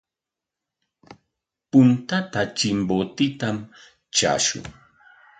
Puntata Chimbotetam traashun.